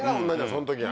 そん時は。